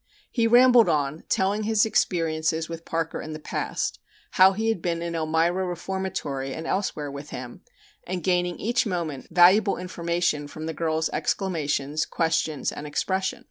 He rambled on, telling his experiences with Parker in the past, how he had been in Elmira Reformatory and elsewhere with him, and gaining each moment valuable information from the girl's exclamations, questions, and expression.